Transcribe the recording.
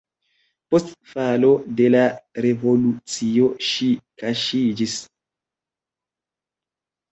Post falo de la revolucio ŝi kaŝiĝis.